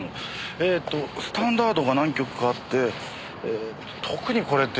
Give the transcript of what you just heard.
えーっとスタンダードが何曲かあって特にこれって。